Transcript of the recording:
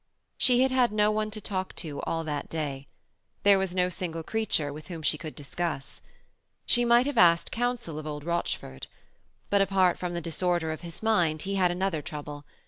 She had had no one to talk to all that day. There was no single creature with whom she could discuss. She might have asked counsel of old Rochford. But apart from the disorder of his mind he had another trouble.